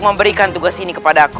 memberikan tugas ini kepada aku